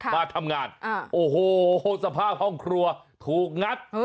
มาทำงานโอ้โหสภาพห้องครัวถูกงัด